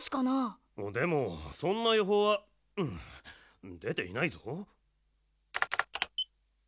でもそんなよほうはでていないぞ。